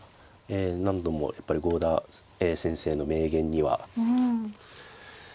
何度もやっぱり郷田先生の名言には。